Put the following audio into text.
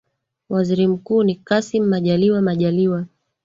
Waziri Mkuu ni Kassim Majaliwa Majaliwa